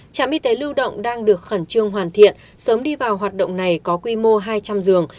trạm y tế lưu động đang được khẩn trương hoàn thiện sớm đi vào hoạt động này có quy mô hai trăm linh giường